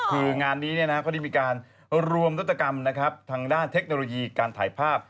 คืองานนี้เขาได้มีการรวมนวัตกรรมนะครับทางด้านเทคโนโลยีการถ่ายภาพ